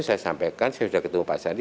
saya sampaikan saya sudah ketemu pak sandi